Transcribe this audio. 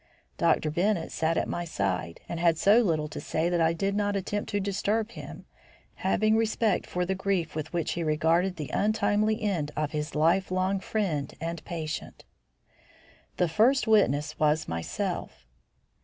Dr. Bennett sat at my side, and had so little to say that I did not attempt to disturb him, having respect for the grief with which he regarded the untimely end of his life long friend and patient. The first witness was myself.